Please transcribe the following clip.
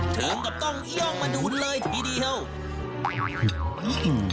เธองกับต้องย่องมาดูเลยทีดีเท่า